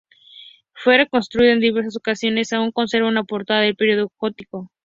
Fue reconstruida en diversas ocasiones; aún conserva una portalada del periodo gótico.